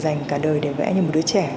tôi đã dành cả đời để vẽ như một đứa trẻ